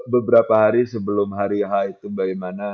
beberapa hari sebelum hari h itu bagaimana